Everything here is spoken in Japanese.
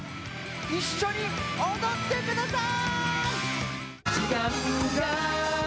一緒に踊ってください！